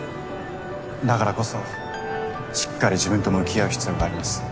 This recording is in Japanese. だからこそしっかり自分と向き合う必要があります。